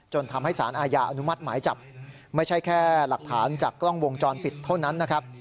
ทำให้สารอาญาอนุมัติหมายจับไม่ใช่แค่หลักฐานจากกล้องวงจรปิดเท่านั้นนะครับ